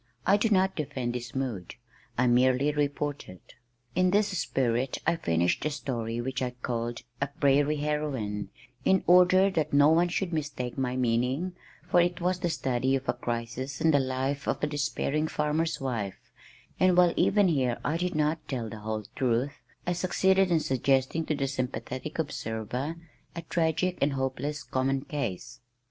I do not defend this mood, I merely report it. In this spirit I finished a story which I called A Prairie Heroine (in order that no one should mistake my meaning, for it was the study of a crisis in the life of a despairing farmer's wife), and while even here, I did not tell the whole truth, I succeeded in suggesting to the sympathetic observer a tragic and hopeless common case.